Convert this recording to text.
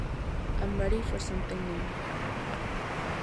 I'm ready for something new.